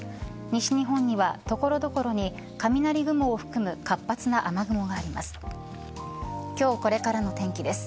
西日本には所々に雷雲を含む活発な雨雲があります。